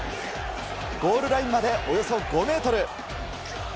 ゴールラインまでおよそ５メートル。